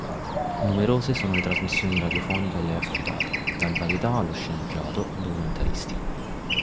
Numerose sono le trasmissioni radiofoniche a lei affidate, dal varietà allo sceneggiato, al documentaristico.